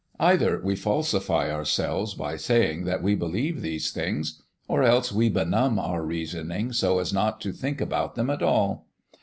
Either we falsify ourselves by saying that we believe these things, or else we benumb our reasoning so as not to think about them at all.